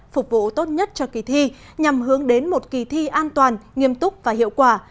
phục vụ tốt nhất cho kỳ thi nhằm hướng đến một kỳ thi an toàn nghiêm túc và hiệu quả